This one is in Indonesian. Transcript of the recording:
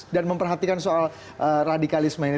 dan memperhatikan soal radikalisme ini